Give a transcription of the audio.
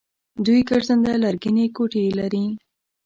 دوی ګرځنده لرګینې کوټې لري.